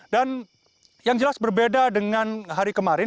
dan yang jelas berbeda dengan hari kemarin